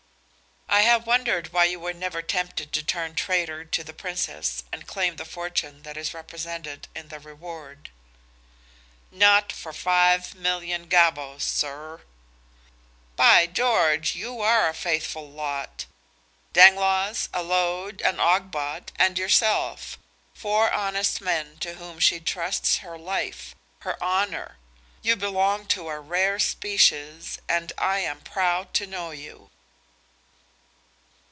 "I have wondered why you were never tempted to turn traitor to the Princess and claim the fortune that is represented in the reward." "Not for five million gavvos, sir!" "By George, you are a faithful lot! Dangloss, Allode and Ogbot and yourself, four honest men to whom she trusts her life, her honor. You belong to a rare species, and I am proud to know you."